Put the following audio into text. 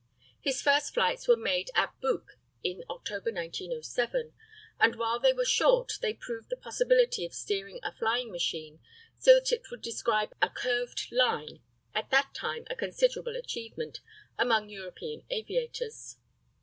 His first flights were made at Buc in October, 1907, and while they were short, they proved the possibility of steering a flying machine so that it would describe a curved line at that time a considerable achievement among European aviators.